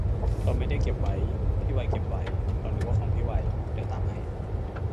เราไม่ได้เก็บไว้ พี่ไวเก็บไว้ เรานึกว่าของพี่ไว เดี๋ยวตามให้